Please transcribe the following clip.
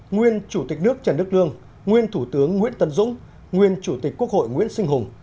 nguyên chủ tịch nước trần đức lương nguyên thủ tướng nguyễn tân dũng nguyên chủ tịch quốc hội nguyễn sinh hùng